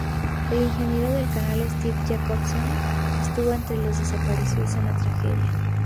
El ingeniero del canal, Steve Jacobson, estuvo entre los desaparecidos en la tragedia.